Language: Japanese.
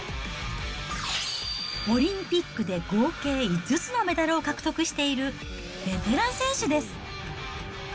オリンピックで合計５つのメダルを獲得しているベテラン選手です。